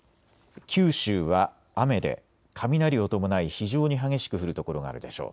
九州は雨で雷を伴い非常に激しく降る所があるでしょう。